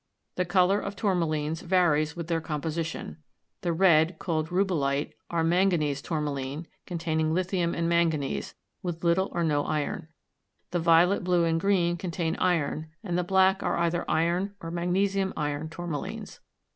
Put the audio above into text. The color of tourmalines varies with their composition. The red, called rubellite, are manganese tourmaline containing lithium and manganese, with little or no iron; the violet, blue and green contain iron, and the black are either iron or magnesium iron tourmalines.